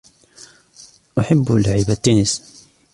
أحب لعب التنس.